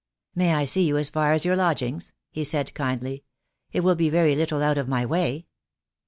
"May I see you as far as your lodgings?" he said, kindly. "It will be very little out of my way."